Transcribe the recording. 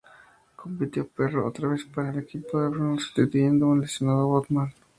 Compitió, pero, otra vez para el equipo en Brno sustituyendo un lesionado Hofmann.